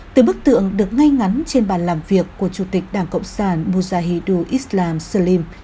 từ bức tượng được ngay ngắn trên bàn làm việc của chủ tịch đảng cộng sản mujahidu islam salim